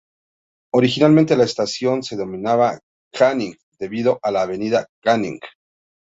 Originalmente la estación se denominaba "Canning", debido a la Avenida Canning.